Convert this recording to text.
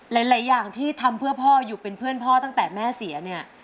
หลายอย่างที่ทำเพื่อพ่ออยู่เป็นเพื่อนพ่อตั้งแต่แม่เสียเนี่ย